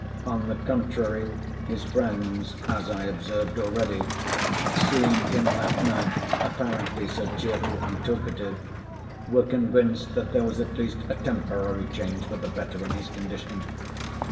On the contrary, his friends, as I observed already, seeing him that night apparently so cheerful and talkative, were convinced that there was at least a temporary change for the better in his condition.